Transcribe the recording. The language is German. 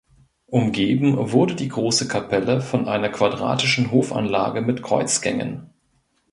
Umgeben wurde die große Kapelle von einer quadratischen Hofanlage mit Kreuzgängen.